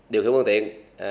điều khiếm phương tiện